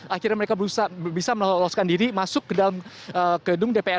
akhirnya mereka bisa meloloskan diri masuk ke dalam gedung dpr